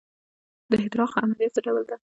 د احتراق عملیه څه ډول ده.